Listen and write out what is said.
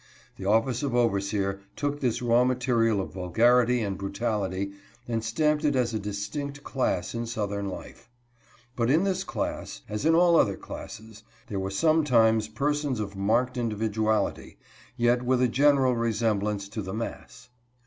The office of overseer took this raw material of vulgarity and brutality and (75) 76 OVEESEERS AS A CLASS. stamped it as a distinct class in southern life. But in this class, as in all other classes, there were sometimes persons of marked individuality, yet with a general resemblance to the mass.